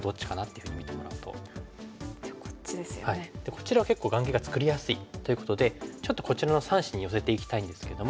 こちらは結構眼形が作りやすい。ということでちょっとこちらの３子に寄せていきたいんですけども。